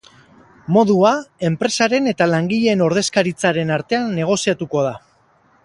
Modua, enpresaren eta langileen ordezkaritzaren artean negoziatuko da.